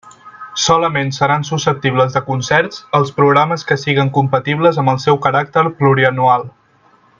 Solament seran susceptibles de concerts els programes que siguen compatibles amb el seu caràcter plurianual.